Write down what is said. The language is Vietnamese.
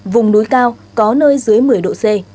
vùng núi cao có nơi dưới một mươi độ c